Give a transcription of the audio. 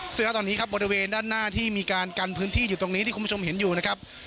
ซึ่งณตอนนี้ครับบริเวณด้านหน้าที่มีการกันพื้นที่อยู่ตรงนี้ที่คุณผู้ชมเห็นอยู่นะครับ